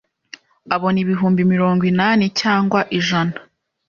abona ibihumbi mirongo inani cyangwa ijana